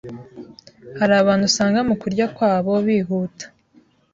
Hari abantu usanga mu kurya kwabo bihuta